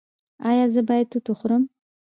ایا زه باید توت وخورم؟